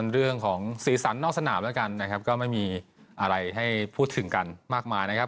เรื่องของสีสันนอกสนามแล้วกันนะครับก็ไม่มีอะไรให้พูดถึงกันมากมายนะครับ